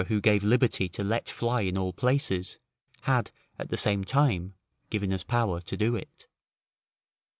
] who gave liberty to let fly in all places, had, at the same time, given us power to do it.